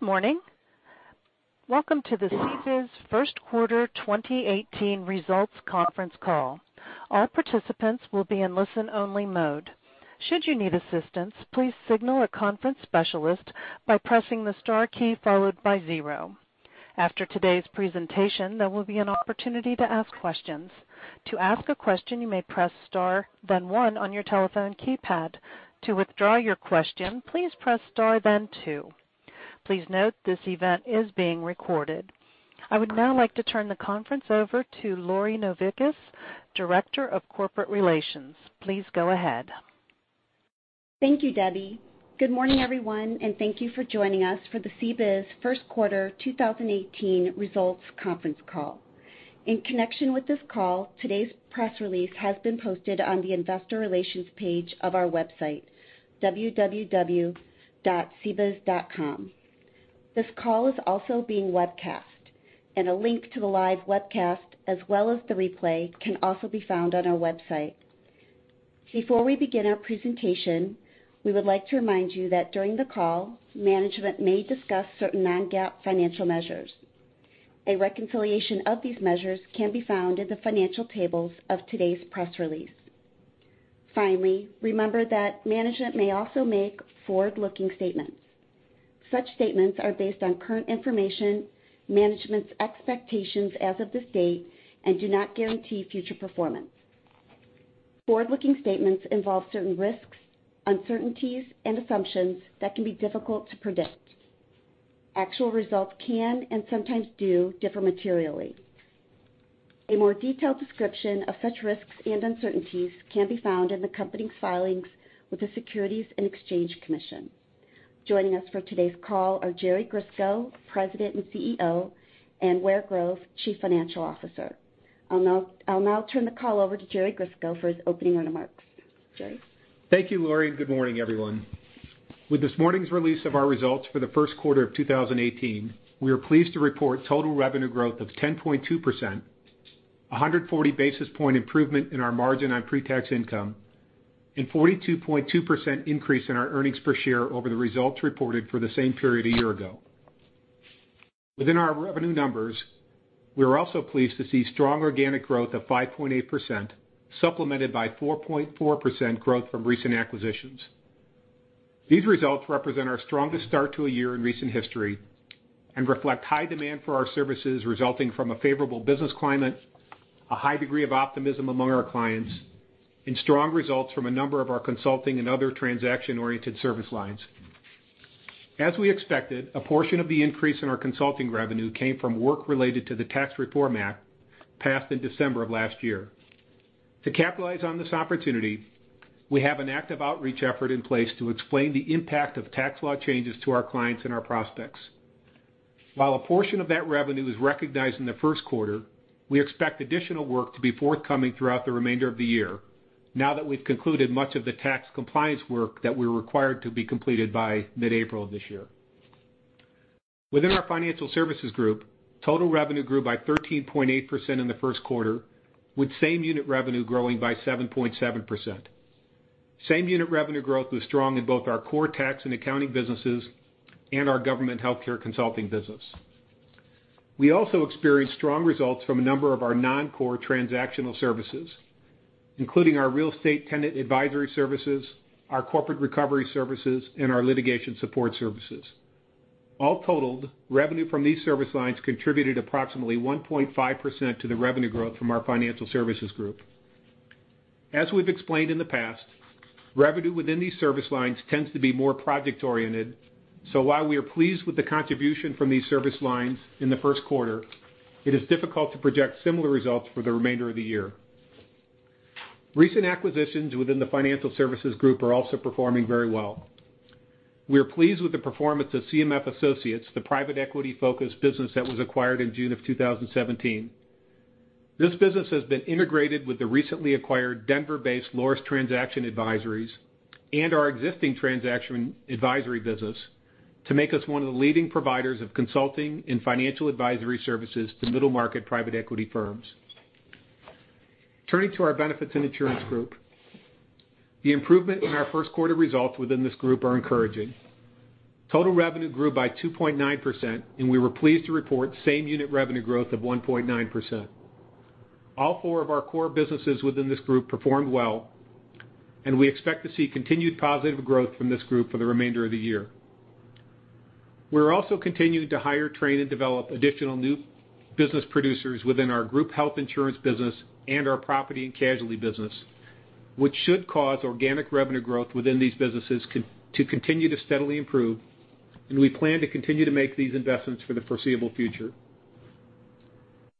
Good morning. Welcome to the CBIZ first quarter 2018 results conference call. All participants will be in listen-only mode. Should you need assistance, please signal a conference specialist by pressing the star key followed by zero. After today's presentation, there will be an opportunity to ask questions. To ask a question, you may press star, then one on your telephone keypad. To withdraw your question, please press star then two. Please note, this event is being recorded. I would now like to turn the conference over to Lori Novickis, Director of Corporate Relations. Please go ahead. Thank you, Debbie. Good morning, everyone, and thank you for joining us for the CBIZ first quarter 2018 results conference call. In connection with this call, today's press release has been posted on the investor relations page of our website, www.cbiz.com. This call is also being webcast, and a link to the live webcast, as well as the replay, can also be found on our website. Before we begin our presentation, we would like to remind you that during the call, management may discuss certain non-GAAP financial measures. A reconciliation of these measures can be found in the financial tables of today's press release. Remember that management may also make forward-looking statements. Such statements are based on current information, management's expectations as of this date, and do not guarantee future performance. Forward-looking statements involve certain risks, uncertainties, and assumptions that can be difficult to predict. Actual results can, and sometimes do, differ materially. A more detailed description of such risks and uncertainties can be found in the company's filings with the Securities and Exchange Commission. Joining us for today's call are Jerry Grisko, President and CEO, and Ware Grove, Chief Financial Officer. I'll now turn the call over to Jerry Grisko for his opening remarks. Jerry? Thank you, Lori, and good morning, everyone. With this morning's release of our results for the first quarter of 2018, we are pleased to report total revenue growth of 10.2%, 140 basis point improvement in our margin on pre-tax income, and 42.2% increase in our earnings per share over the results reported for the same period a year ago. Within our revenue numbers, we are also pleased to see strong organic growth of 5.8%, supplemented by 4.4% growth from recent acquisitions. These results represent our strongest start to a year in recent history and reflect high demand for our services resulting from a favorable business climate, a high degree of optimism among our clients, and strong results from a number of our consulting and other transaction-oriented service lines. As we expected, a portion of the increase in our consulting revenue came from work related to the Tax Reform Act passed in December of last year. To capitalize on this opportunity, we have an active outreach effort in place to explain the impact of tax law changes to our clients and our prospects. While a portion of that revenue is recognized in the first quarter, we expect additional work to be forthcoming throughout the remainder of the year now that we've concluded much of the tax compliance work that we were required to be completed by mid-April of this year. Within our Financial Services Group, total revenue grew by 13.8% in the first quarter, with same unit revenue growing by 7.7%. Same unit revenue growth was strong in both our core tax and accounting businesses and our government healthcare consulting business. We also experienced strong results from a number of our non-core transactional services, including our real estate tenant advisory services, our corporate recovery services, and our litigation support services. All totaled, revenue from these service lines contributed approximately 1.5% to the revenue growth from our Financial Services Group. As we've explained in the past, revenue within these service lines tends to be more project-oriented. While we are pleased with the contribution from these service lines in the first quarter, it is difficult to project similar results for the remainder of the year. Recent acquisitions within the Financial Services Group are also performing very well. We are pleased with the performance of CMF Associates, the private equity-focused business that was acquired in June of 2017. This business has been integrated with the recently acquired Denver-based Laurus Transaction Advisory and our existing transaction advisory business to make us one of the leading providers of consulting and financial advisory services to middle-market private equity firms. Turning to our Benefits and Insurance Group, the improvement in our first quarter results within this group are encouraging. Total revenue grew by 2.9%, and we were pleased to report same unit revenue growth of 1.9%. All four of our core businesses within this group performed well, and we expect to see continued positive growth from this group for the remainder of the year. We're also continuing to hire, train, and develop additional new business producers within our group health insurance business and our property and casualty business, which should cause organic revenue growth within these businesses to continue to steadily improve. We plan to continue to make these investments for the foreseeable future.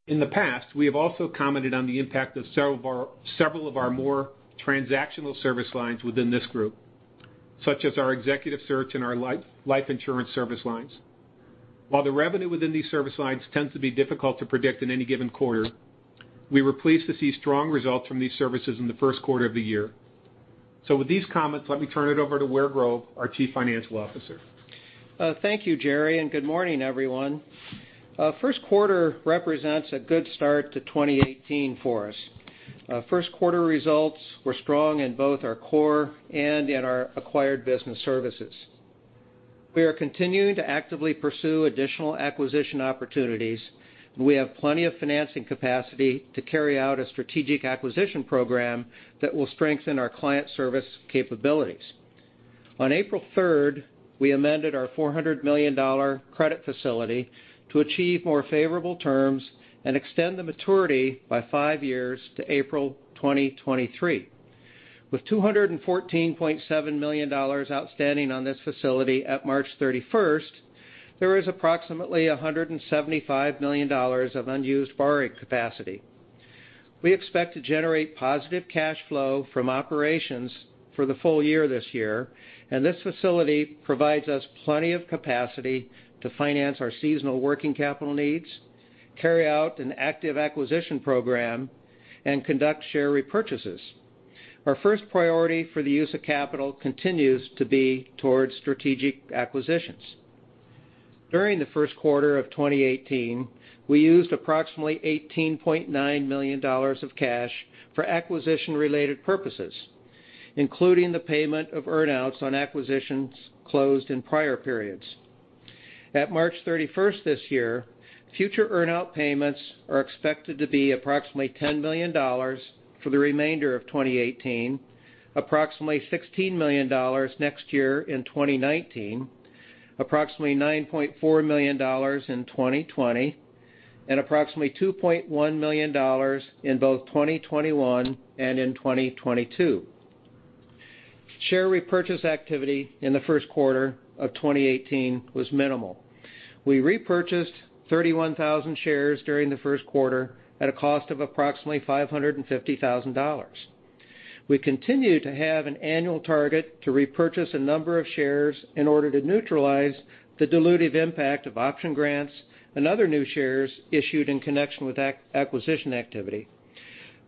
In the past, we have also commented on the impact of several of our more transactional service lines within this group, such as our executive search and our life insurance service lines. While the revenue within these service lines tends to be difficult to predict in any given quarter, we were pleased to see strong results from these services in the first quarter of the year. With these comments, let me turn it over to Ware Grove, our Chief Financial Officer. Thank you, Jerry, and good morning, everyone. First quarter represents a good start to 2018 for us. Our first quarter results were strong in both our core and in our acquired business services. We are continuing to actively pursue additional acquisition opportunities, and we have plenty of financing capacity to carry out a strategic acquisition program that will strengthen our client service capabilities. On April 3rd, we amended our $400 million credit facility to achieve more favorable terms and extend the maturity by five years to April 2023. With $214.7 million outstanding on this facility at March 31st, there is approximately $175 million of unused borrowing capacity. We expect to generate positive cash flow from operations for the full year this year, and this facility provides us plenty of capacity to finance our seasonal working capital needs, carry out an active acquisition program, and conduct share repurchases. Our first priority for the use of capital continues to be towards strategic acquisitions. During the first quarter of 2018, we used approximately $18.9 million of cash for acquisition-related purposes, including the payment of earn-outs on acquisitions closed in prior periods. At March 31st this year, future earn-out payments are expected to be approximately $10 million for the remainder of 2018, approximately $16 million next year in 2019, approximately $9.4 million in 2020, and approximately $2.1 million in both 2021 and in 2022. Share repurchase activity in the first quarter of 2018 was minimal. We repurchased 31,000 shares during the first quarter at a cost of approximately $550,000. We continue to have an annual target to repurchase a number of shares in order to neutralize the dilutive impact of option grants and other new shares issued in connection with acquisition activity.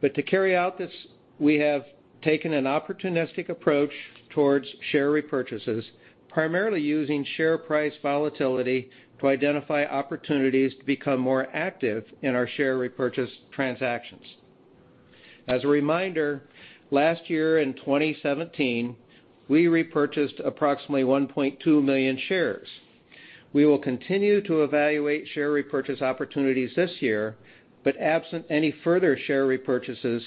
To carry out this, we have taken an opportunistic approach towards share repurchases, primarily using share price volatility to identify opportunities to become more active in our share repurchase transactions. As a reminder, last year in 2017, we repurchased approximately 1.2 million shares. We will continue to evaluate share repurchase opportunities this year, but absent any further share repurchases,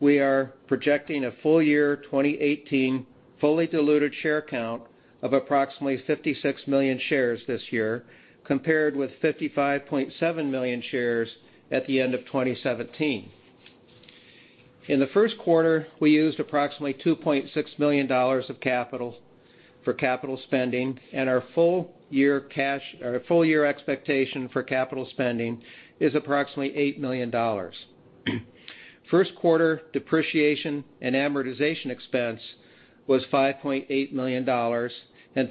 we are projecting a full year 2018 fully diluted share count of approximately 56 million shares this year, compared with 55.7 million shares at the end of 2017. In the first quarter, we used approximately $2.6 million of capital for capital spending, and our full year expectation for capital spending is approximately $8 million. First quarter depreciation and amortization expense was $5.8 million.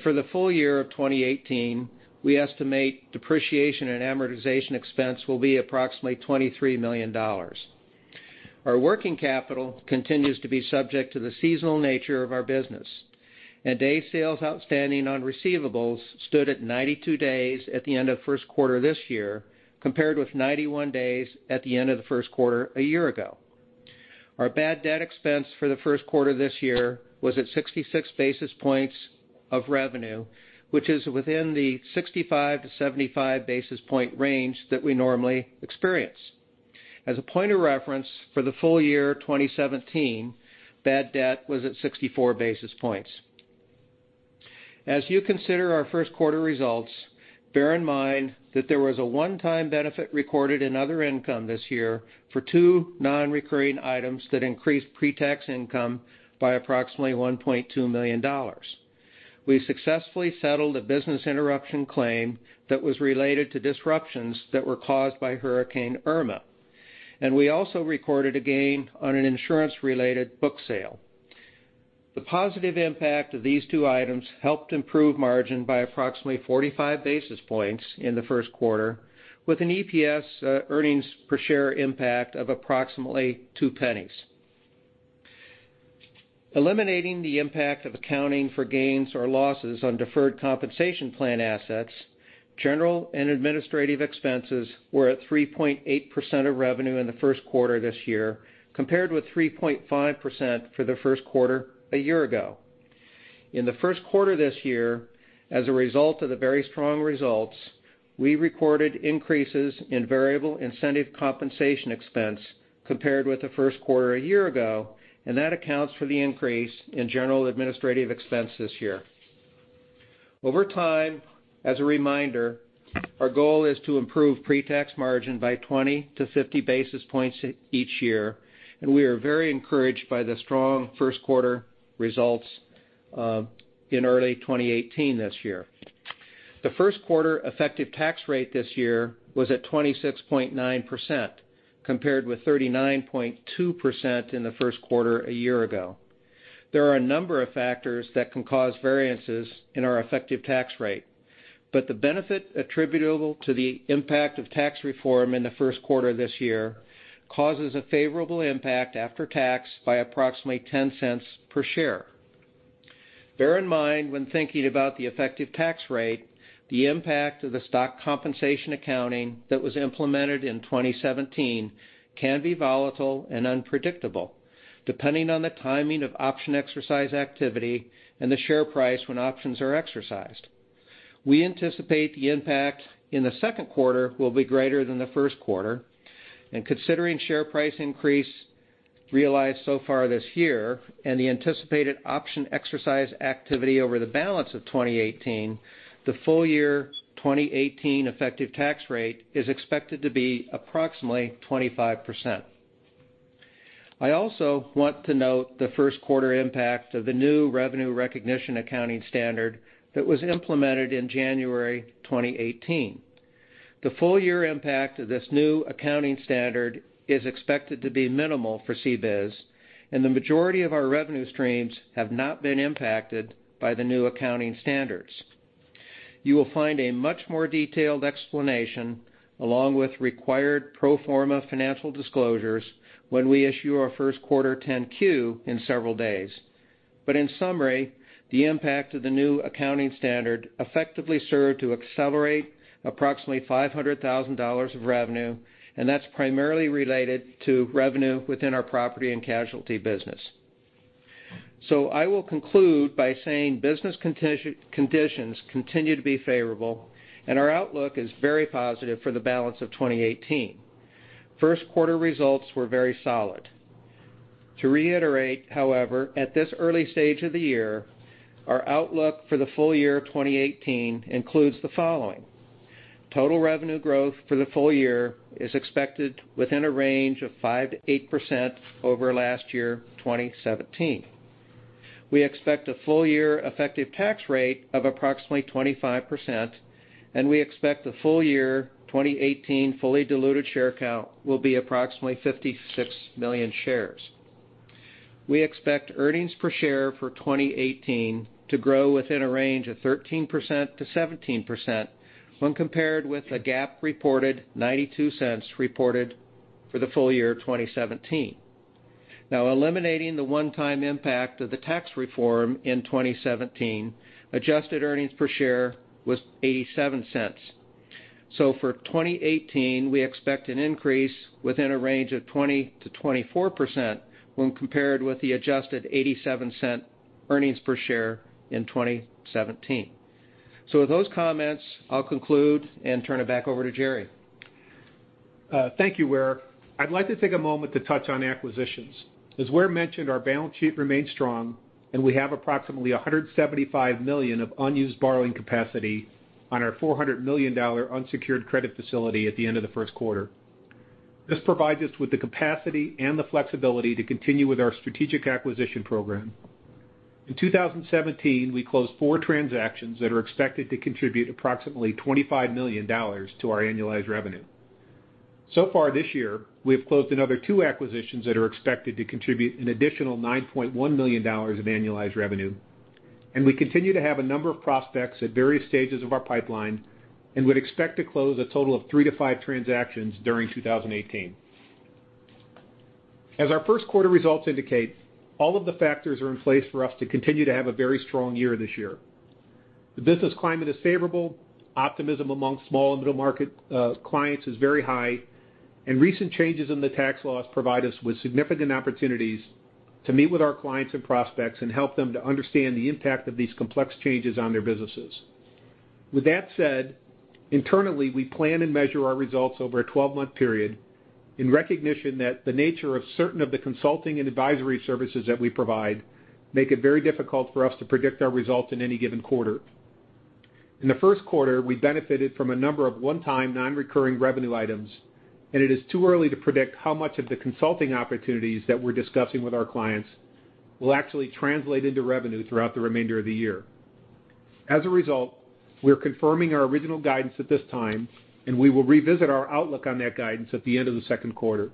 For the full year of 2018, we estimate depreciation and amortization expense will be approximately $23 million. Our working capital continues to be subject to the seasonal nature of our business. Day sales outstanding on receivables stood at 92 days at the end of first quarter this year, compared with 91 days at the end of the first quarter a year ago. Our bad debt expense for the first quarter this year was at 66 basis points of revenue, which is within the 65-75 basis point range that we normally experience. As a point of reference, for the full year 2017, bad debt was at 64 basis points. As you consider our first quarter results, bear in mind that there was a one-time benefit recorded in other income this year for two non-recurring items that increased pre-tax income by approximately $1.2 million. We successfully settled a business interruption claim that was related to disruptions that were caused by Hurricane Irma. We also recorded a gain on an insurance-related book sale. The positive impact of these two items helped improve margin by approximately 45 basis points in the first quarter with an EPS, earnings per share impact of approximately $0.02. Eliminating the impact of accounting for gains or losses on deferred compensation plan assets, general and administrative expenses were at 3.8% of revenue in the first quarter this year, compared with 3.5% for the first quarter a year ago. In the first quarter this year, as a result of the very strong results, we recorded increases in variable incentive compensation expense compared with the first quarter a year ago, that accounts for the increase in general administrative expense this year. Over time, as a reminder, our goal is to improve pre-tax margin by 20-50 basis points each year. We are very encouraged by the strong first quarter results in early 2018 this year. The first quarter effective tax rate this year was at 26.9%, compared with 39.2% in the first quarter a year ago. There are a number of factors that can cause variances in our effective tax rate, the benefit attributable to the impact of Tax Reform in the first quarter this year causes a favorable impact after tax by approximately $0.10 per share. Bear in mind when thinking about the effective tax rate, the impact of the stock compensation accounting that was implemented in 2017 can be volatile and unpredictable, depending on the timing of option exercise activity and the share price when options are exercised. We anticipate the impact in the second quarter will be greater than the first quarter. Considering share price increase realized so far this year and the anticipated option exercise activity over the balance of 2018, the full year 2018 effective tax rate is expected to be approximately 25%. I also want to note the first quarter impact of the new revenue recognition accounting standard that was implemented in January 2018. The full year impact of this new accounting standard is expected to be minimal for CBIZ, the majority of our revenue streams have not been impacted by the new accounting standards. You will find a much more detailed explanation along with required pro forma financial disclosures when we issue our first quarter 10-Q in several days. In summary, the impact of the new accounting standard effectively served to accelerate approximately $500,000 of revenue, and that's primarily related to revenue within our property and casualty business. I will conclude by saying business conditions continue to be favorable, and our outlook is very positive for the balance of 2018. First quarter results were very solid. To reiterate, however, at this early stage of the year, our outlook for the full year 2018 includes the following. Total revenue growth for the full year is expected within a range of 5%-8% over last year, 2017. We expect a full year effective tax rate of approximately 25%, and we expect the full year 2018 fully diluted share count will be approximately 56 million shares. We expect earnings per share for 2018 to grow within a range of 13%-17% when compared with the GAAP reported $0.92 reported for the full year 2017. Now, eliminating the one-time impact of the tax reform in 2017, adjusted earnings per share was $0.87. For 2018, we expect an increase within a range of 20%-24% when compared with the adjusted $0.87 earnings per share in 2017. With those comments, I'll conclude and turn it back over to Jerry. Thank you, Ware. I'd like to take a moment to touch on acquisitions. As Ware mentioned, our balance sheet remains strong, and we have approximately $175 million of unused borrowing capacity on our $400 million unsecured credit facility at the end of the first quarter. This provides us with the capacity and the flexibility to continue with our strategic acquisition program. In 2017, we closed four transactions that are expected to contribute approximately $25 million to our annualized revenue. So far this year, we have closed another two acquisitions that are expected to contribute an additional $9.1 million of annualized revenue. We continue to have a number of prospects at various stages of our pipeline and would expect to close a total of three to five transactions during 2018. As our first quarter results indicate, all of the factors are in place for us to continue to have a very strong year this year. The business climate is favorable, optimism among small and middle market clients is very high, and recent changes in the tax laws provide us with significant opportunities to meet with our clients and prospects and help them to understand the impact of these complex changes on their businesses. With that said, internally, we plan and measure our results over a 12-month period in recognition that the nature of certain of the consulting and advisory services that we provide make it very difficult for us to predict our results in any given quarter. In the first quarter, we benefited from a number of one-time, non-recurring revenue items. It is too early to predict how much of the consulting opportunities that we're discussing with our clients will actually translate into revenue throughout the remainder of the year. As a result, we are confirming our original guidance at this time. We will revisit our outlook on that guidance at the end of the second quarter.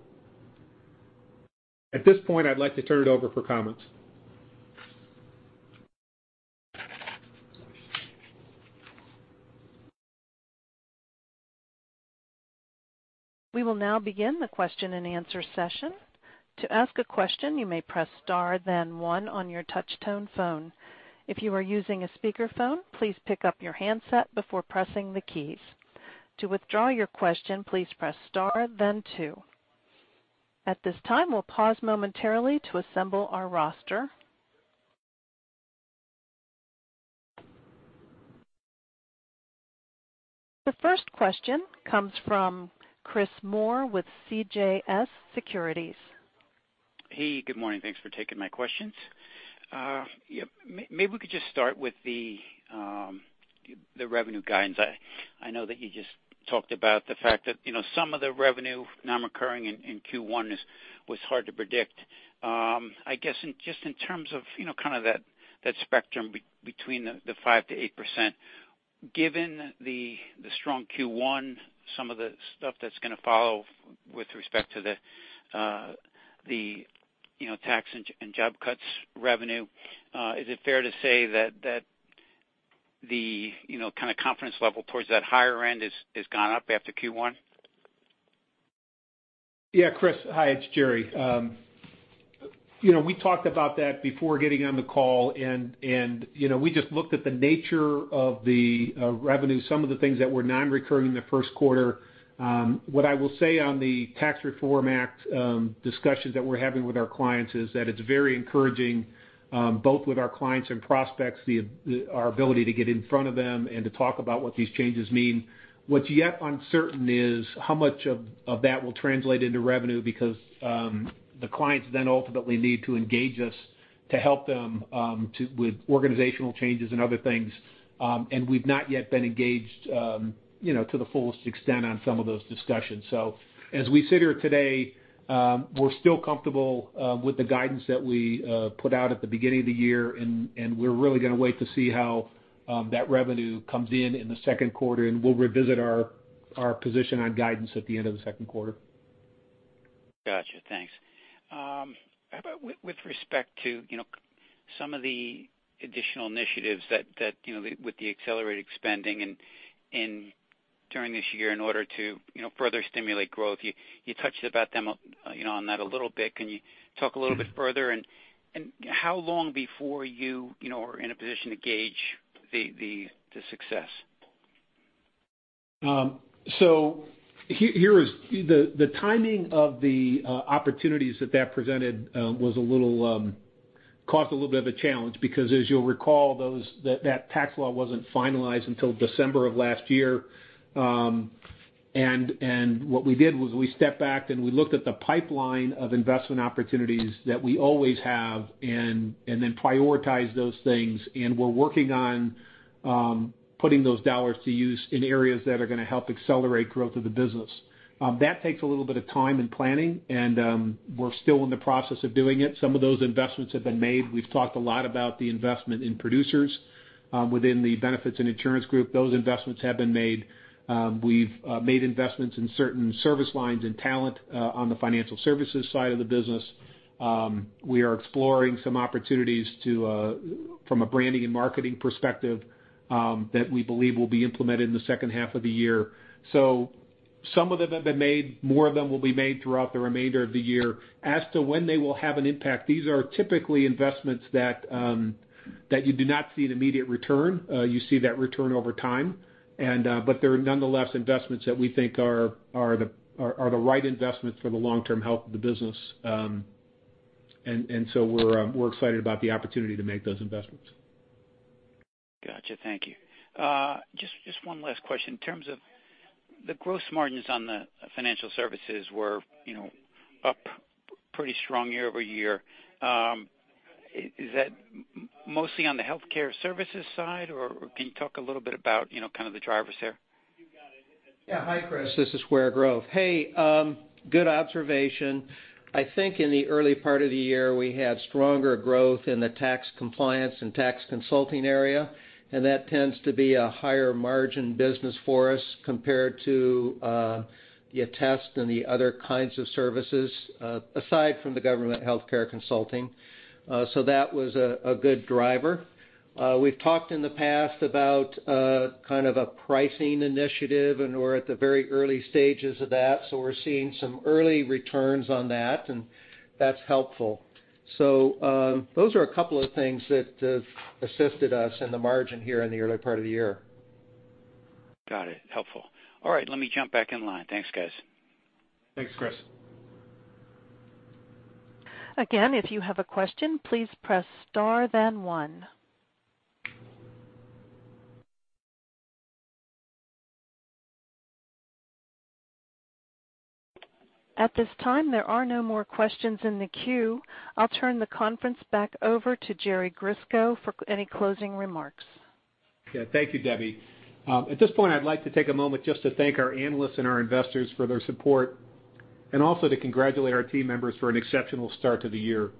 At this point, I'd like to turn it over for comments. We will now begin the question and answer session. To ask a question, you may press star then one on your touch tone phone. If you are using a speakerphone, please pick up your handset before pressing the keys. To withdraw your question, please press star then two. At this time, we'll pause momentarily to assemble our roster. The first question comes from Chris Moore with CJS Securities. Hey, good morning. Thanks for taking my questions. Maybe we could just start with the revenue guidance. I know that you just talked about the fact that some of the revenue non-recurring in Q1 was hard to predict. I guess, just in terms of that spectrum between the 5%-8%, given the strong Q1, some of the stuff that's going to follow with respect to the tax and job cuts revenue, is it fair to say that the confidence level towards that higher end has gone up after Q1? Yeah, Chris. Hi, it's Jerry. We talked about that before getting on the call. We just looked at the nature of the revenue, some of the things that were non-recurring in the first quarter. What I will say on the Tax Reform Act discussions that we're having with our clients is that it's very encouraging, both with our clients and prospects, our ability to get in front of them and to talk about what these changes mean. What's yet uncertain is how much of that will translate into revenue because the clients then ultimately need to engage us to help them with organizational changes and other things. We've not yet been engaged to the fullest extent on some of those discussions. As we sit here today, we're still comfortable with the guidance that we put out at the beginning of the year, and we're really going to wait to see how that revenue comes in in the second quarter, and we'll revisit our position on guidance at the end of the second quarter. Got you. Thanks. How about with respect to some of the additional initiatives that with the accelerated spending and during this year in order to further stimulate growth, you touched about them on that a little bit. Can you talk a little bit further and how long before you are in a position to gauge the success? Here is the timing of the opportunities that presented caused a little bit of a challenge because as you'll recall, that tax law wasn't finalized until December of last year. What we did was we stepped back, and we looked at the pipeline of investment opportunities that we always have and then prioritize those things. We're working on putting those dollars to use in areas that are going to help accelerate growth of the business. That takes a little bit of time and planning, and we're still in the process of doing it. Some of those investments have been made. We've talked a lot about the investment in producers within the benefits and insurance group. Those investments have been made. We've made investments in certain service lines and talent on the financial services side of the business. We are exploring some opportunities from a branding and marketing perspective, that we believe will be implemented in the second half of the year. Some of them have been made, more of them will be made throughout the remainder of the year. As to when they will have an impact, these are typically investments that you do not see an immediate return. You see that return over time. They are nonetheless investments that we think are the right investments for the long-term health of the business. We're excited about the opportunity to make those investments. Got you. Thank you. Just one last question. In terms of the gross margins on the financial services were up pretty strong year-over-year. Is that mostly on the healthcare services side, or can you talk a little bit about the drivers there? Yeah. Hi, Chris. This is Ware Grove. Hey, good observation. I think in the early part of the year, we had stronger growth in the tax compliance and tax consulting area, that tends to be a higher margin business for us compared to the attest and the other kinds of services, aside from the government healthcare consulting. That was a good driver. We've talked in the past about a pricing initiative, we're at the very early stages of that. We're seeing some early returns on that's helpful. Those are a couple of things that have assisted us in the margin here in the early part of the year. Got it. Helpful. All right. Let me jump back in line. Thanks, guys. Thanks, Chris. Again, if you have a question, please press star then one. At this time, there are no more questions in the queue. I'll turn the conference back over to Jerry Grisko for any closing remarks. Yeah. Thank you, Debbie. At this point, I'd like to take a moment just to thank our analysts and our investors for their support and also to congratulate our team members for an exceptional start to the year.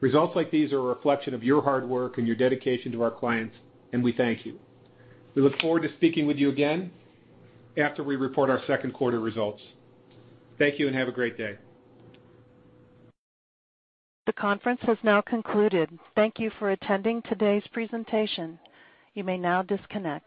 Results like these are a reflection of your hard work and your dedication to our clients. We thank you. We look forward to speaking with you again after we report our second quarter results. Thank you and have a great day. The conference has now concluded. Thank you for attending today's presentation. You may now disconnect.